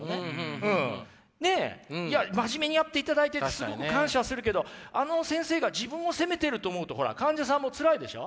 いや真面目にやっていただいててすごく感謝はするけどあの先生が自分を責めてると思うとほら患者さんもつらいでしょ？